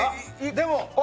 でも！